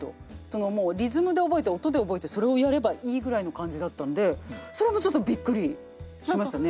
もうリズムで覚えて音で覚えてそれをやればいいぐらいの感じだったんでそれもちょっとびっくりしましたね。